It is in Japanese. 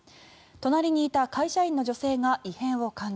隣にいた会社員の女性が異変を感じ